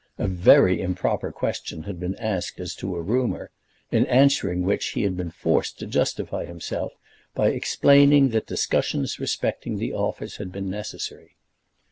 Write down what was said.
A very improper question had been asked as to a rumour, in answering which he had been forced to justify himself by explaining that discussions respecting the office had been necessary.